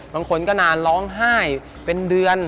บางคนก็นานร้องไห้เป็นเดือน